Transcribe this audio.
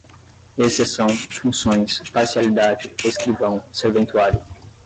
exceção, funções, parcialidade, escrivão, serventuário